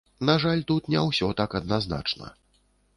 На жаль, тут не ўсё так адназначна.